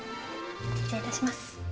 失礼いたします。